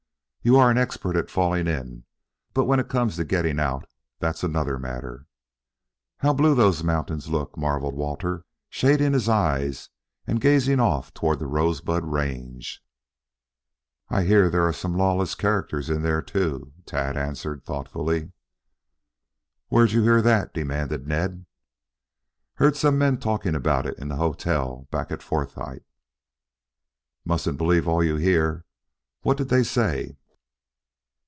"You are an expert at falling in, but when it comes to getting out, that's another matter." "How blue those mountains look!" marveled Walter, shading his eyes and gazing off toward the Rosebud Range. "I hear there are some lawless characters in there, too," Tad answered thoughtfully. "Where'd your hear that?" demanded Ned. "Heard some men talking about it in the hotel back at Forsythe." "Mustn't believe all you hear. What did they say?"